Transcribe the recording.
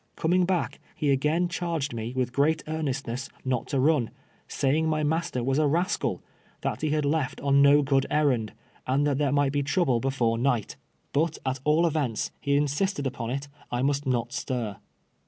Coming back, he again charged me with great earnestness not to run, saying my master was a rascal ; that he had left on no good errand, and that tliere might be trouble before night. But at all events, he insisted upon it, I must not stir.